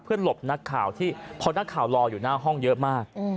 เพื่อหลบนักข่าวที่เพราะนักข่าวรออยู่หน้าห้องเยอะมากอืม